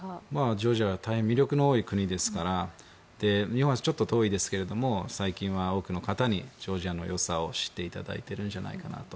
ジョージアは大変魅力の多い国ですから日本はちょっと遠いですけども最近は多くの方にジョージアの良さを知っていただいているんじゃないかなと。